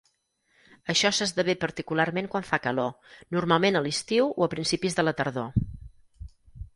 Això s'esdevé particularment quan fa calor, normalment a l'estiu o a principis de la tardor.